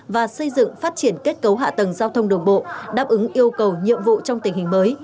và xây dựng phát triển kết cấu hạ tầng giao thông đường bộ đáp ứng yêu cầu nhiệm vụ trong tình hình mới